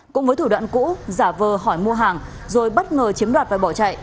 cũng với thủ đoạn cũ giả vờ hỏi mua hàng rồi bất ngờ chiếm đoạt và bỏ chạy